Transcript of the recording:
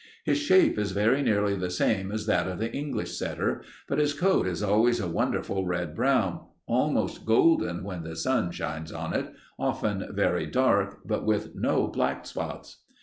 His shape is very nearly the same as that of the English setter, but his coat is always a wonderful red brown, almost golden when the sun shines on it, often very dark, but with no black spots.